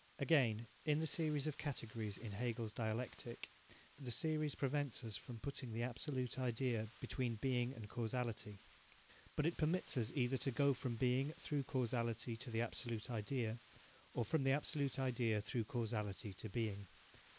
Again, in the series of categories in Hegel's dialectic, the series prevents us from putting the Absolute Idea between Being and Causality. But it permits us either to go from Being, through Causality, to the Absolute Idea, or from the Absolute Idea, through Causality, to Being.